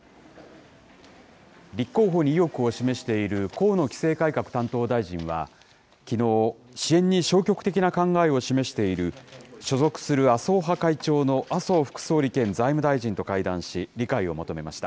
立候補に意欲を示している河野規制改革担当大臣は、きのう、支援に消極的な考えを示している所属する麻生派会長の麻生副総理兼財務大臣と会談し、理解を求めました。